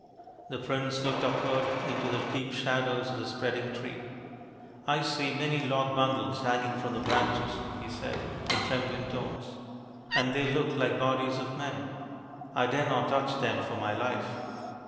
The prince looked upward into the deep shadows of the spreading tree. "I see many long bundles hanging from the branches/' he said in trembling tones, " and they look like bodies of men. I dare not touch them for my life."